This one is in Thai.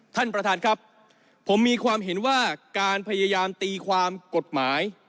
ท่านประธานครับผมมีความเห็นว่าการพยายามตีความกฎหมาย